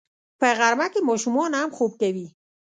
په غرمه کې ماشومان هم خوب کوي